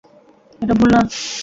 এটা ভুল না?